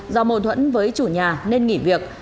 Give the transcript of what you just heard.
do mô thuẫn với chủ nhà nên nghỉ việc